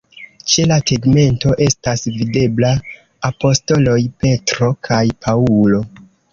Ĉe la tegmento estas videbla apostoloj Petro kaj Paŭlo.